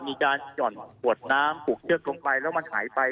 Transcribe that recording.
หย่อนขวดน้ำผูกเชือกลงไปแล้วมันหายไป